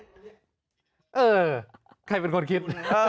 เออใครเป็นคนคิด